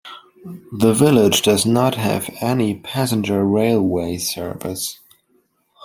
The village does not have any passenger railway service.